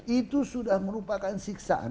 itu sudah merupakan siksaan